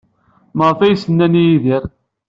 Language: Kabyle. Maɣef ay as-nnan i Yidir?